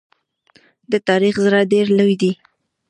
د تاریخ زړه ډېر لوی دی.